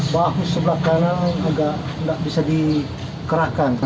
bahus sebelah kanan agak tidak bisa dikerahkan